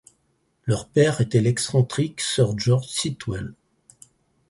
Leur père était l'excentrique Sir George Sitwell.